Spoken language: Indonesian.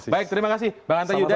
baik terima kasih bang anta yudha